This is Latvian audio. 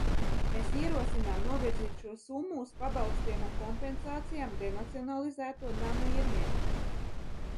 Mēs ierosinām novirzīt šo summu uz pabalstiem un kompensācijām denacionalizēto namu īrniekiem.